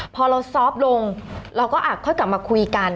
พอเราซอฟต์ลงเราก็ค่อยกลับมาคุยกัน